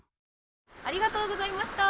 ありがとうございましたー。